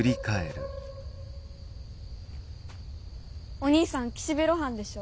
・お兄さん岸辺露伴でしょ？